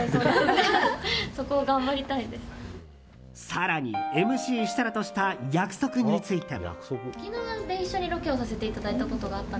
更にＭＣ設楽とした約束についても。